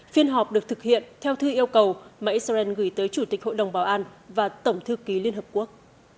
phiên họp được thực hiện theo thư yêu cầu mà israel gửi tới chủ tịch hội đồng bảo an và tổng thư ký liên hợp quốc